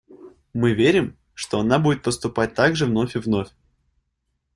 Мы верим, что она будет поступать так же вновь и вновь.